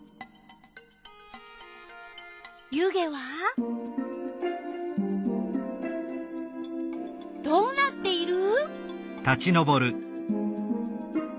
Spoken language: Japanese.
湯気はどうなっている？